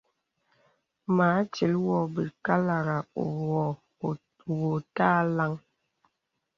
Mà atil wô be kālārá wô tà alàŋ.